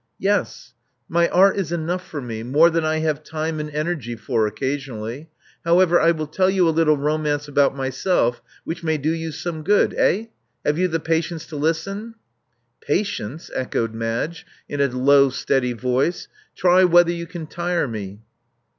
Yes: my art is enough for me, more than I have time and energy for occasionally. How ever, I will tell you a little romance about myself which may do you some good. Eh? Have you the patience to listen?" Patience!" echoed Madge, in a low steady voice. *'Try whether you can tire me."